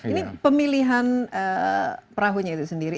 ini pemilihan perahunya itu sendiri